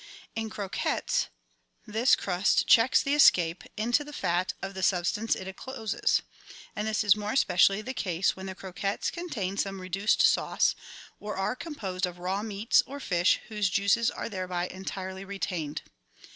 In croquettes this crust checks the escape, into the fat, of the sub stances it encloses, and this is more especially the case when the croquettes contain some reduced sauce, or are composed of raw meats or fish whose juices are thereby entirely retained.